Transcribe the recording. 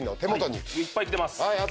いっぱい来てます。